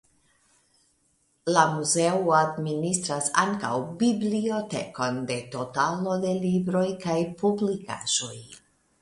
La muzeo administras ankaŭ bibliotekon de totalo de libroj kaj publikaĵoj.